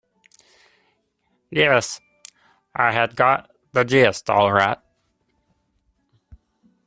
Yes, I had got the gist all right.